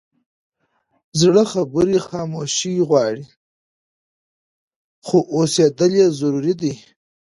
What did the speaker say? زړه خبرې خاموشي غواړي، خو اورېدل یې ضروري دي.